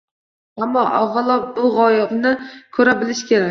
Ammo, avvalo bu g‘ovni ko‘ra bilish kerak.